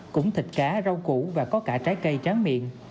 cũng thịt cá rau củ và có cả trái cây tráng miệng